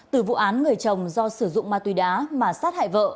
từ vụ án người chồng do sử dụng ma túy đá mà sát hại vợ